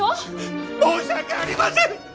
申し訳ありません！